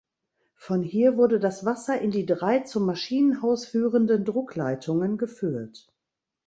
Von hier wurde das Wasser in die drei zum Maschinenhaus führenden Druckleitungen geführt.